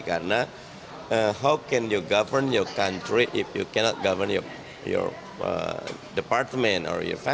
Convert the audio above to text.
karena bagaimana kamu bisa mengurus negara jika tidak bisa mengurus departemen atau keluarga